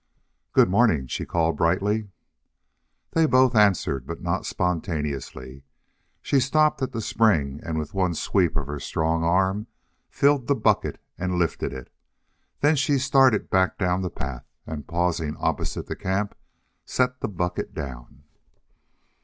"Good morning," she called, brightly. They both answered, but not spontaneously. She stopped at the spring and with one sweep of her strong arm filled the bucket and lifted it. Then she started back down the path and, pausing opposite the camp, set the bucket down.